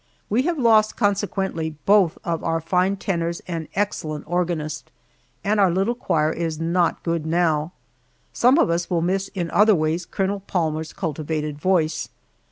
We have lost, consequently, both of our fine tenors and excellent organist, and our little choir is not good now. Some of us will miss in other ways Colonel Palmer's cultivated voice.